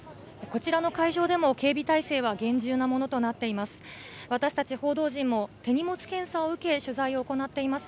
こちらの会場でも、警備態勢は厳重なものとなっています。